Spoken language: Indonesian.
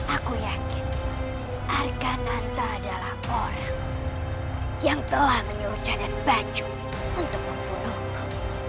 aku yakin arkhanata adalah orang yang telah menurut jadis baju untuk membunuhku